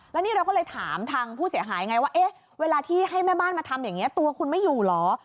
แล้วนี่เราก็เลยถามทางผู้เสียหายไงว่าเอ๊ะเวลาที่ให้แม่บ้านมาทำอย่างนี้ตัวคุณไม่อยู่เหรอ